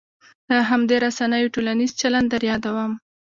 د همدې رسنیو ټولنیز چلن در یادوم.